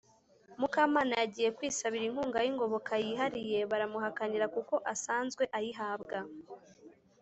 mukamana yagiye kwisabira inkunga y ingoboka yihariye baramuhakanira kuko asanzwe ayihabwa